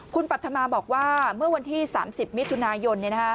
คุณปรัฐมาบอกว่าเมื่อวันที่๓๐มิถุนายน